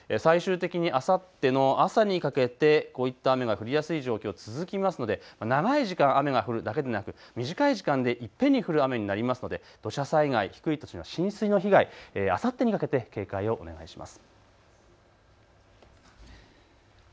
最終的にあさっての朝にかけてこういった雨が降りやすい状況続きますので、長い時間、雨が降るだけでなく短い時間でいっぺんに降る雨になりますので土砂災害、低い土地の浸水の被害、あさってにかけて警戒をお願いします。